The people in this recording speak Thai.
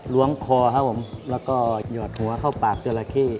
ล้วงคอครับผมแล้วก็หยอดหัวเข้าปากจราเข้